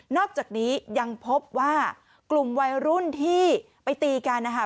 อกจากนี้ยังพบว่ากลุ่มวัยรุ่นที่ไปตีกันนะคะ